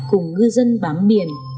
cùng ngư dân bám biển